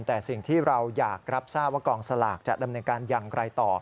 แต่สิ่งที่เราอยากรับทราบว่ากองสลากจะดำเนินการอย่างไรต่อ